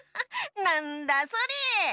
なんだそれ！